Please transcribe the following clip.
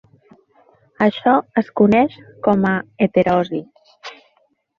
Això es coneix com a heterosi.